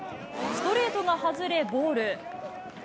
ストレートが外れボール。